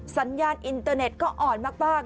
สัญญาณอินเตอร์เน็ตก็อ่อนมาก